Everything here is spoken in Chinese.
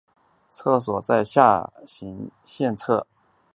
厕所在下行线侧。